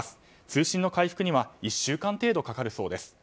通信の回復には１週間程度かかるそうです。